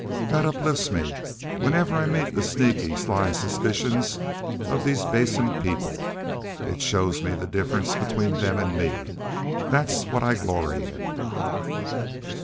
That uplifts me whenever I meet the sneaky, sly suspicions of these Basin people. It shows me the difference between them and me. That's what I glory in."